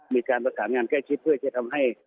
มีการประสานงานใกล้ชิดเพื่อจะทำให้